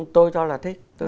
tôi cho là thích